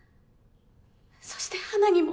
そして花にも。